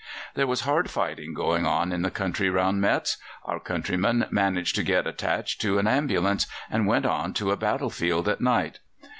There was hard fighting going on in the country round Metz. Our countryman managed to get attached to an ambulance, and went on to a battle field at night.